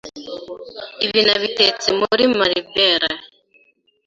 Ibi nabitse muri Maribelle